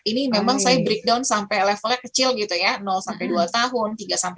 ini memang saya breakdown sampai levelnya kecil gitu ya dua tahun tiga lima